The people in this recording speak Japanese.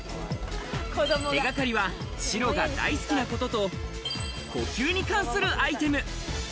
手掛かりは白が大好きなことと呼吸に関するアイテム。